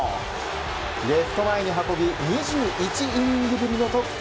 レフト前に運び２１イニングぶりの得点。